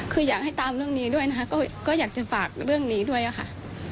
คืออยากให้ตามเรื่องนี้ด้วยนะคะก็อยากจะฝากเรื่องนี้ด้วยค่ะ